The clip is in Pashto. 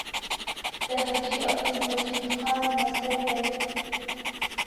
د حاجي عبدالمجید خان لمسی دی.